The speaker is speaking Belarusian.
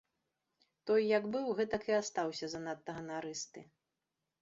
Той як быў, гэтак і астаўся занадта ганарысты.